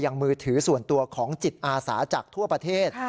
มือถือส่วนตัวของจิตอาสาจากทั่วประเทศ